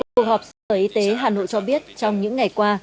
cuộc họp sở y tế hà nội cho biết trong những ngày qua